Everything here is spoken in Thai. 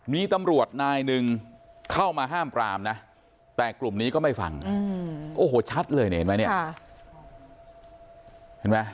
มีตำรวจนายหนึ่งเข้ามาห้ามปรามนะแต่กลุ่มนี้ก็ไม่ฟังโอ้โหชัดเลยเนี่ย